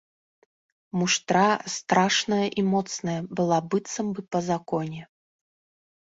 Муштра, страшная і моцная, была быццам бы па законе.